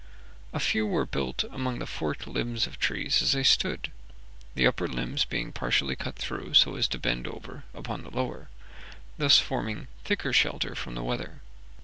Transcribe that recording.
A few were built among the forked limbs of trees as they stood, the upper limbs being partially cut through, so as to bend over upon the lower, thus forming thicker shelter from the weather.